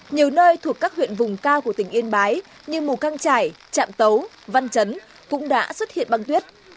nhiều nơi thuộc các huyện vùng cao của tỉnh yên bái như mù căng trải trạm tấu văn chấn cũng đã xuất hiện băng tuyết